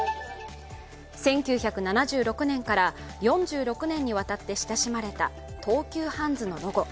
１９７６年から４６年にわたって親しまれた東急ハンズのロゴ。